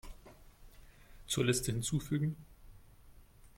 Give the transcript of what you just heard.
Zur Liste hinzufügen.